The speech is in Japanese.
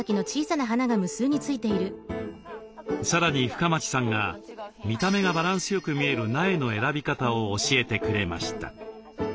さらに深町さんが見た目がバランスよく見える苗の選び方を教えてくれました。